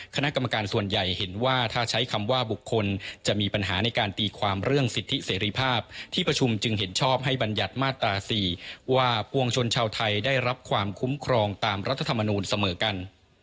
คณะกรรมการส่วนใหญ่เห็นว่าถ้าใช้คำว่าบุคคลจะมีปัญหาในการตีความเรื่องสิทธิเสรีภาพที่ประชุมจึงเห็นชอบให้บรรยัติมาตรา๔ว่าปวงชนชาวไทยได้รับความคุ้มครองตามรัฐธรรมนูลเสมอกัน